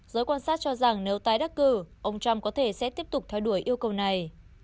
giới quan sát cho rằng nếu tái đắc cử ông trump có thể sẽ tiếp tục theo đuổi yêu cầu này